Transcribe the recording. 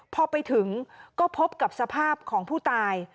พอไปถึงก็พบกับสภาพของผู้ตาย